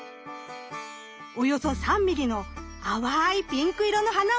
およそ３ミリの淡いピンク色の花を咲かせます。